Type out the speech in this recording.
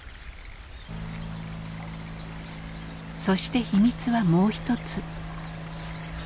そして秘密はもう一つ。